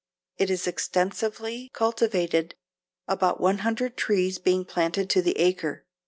It is extensively cultivated, about one hundred trees being planted to the acre.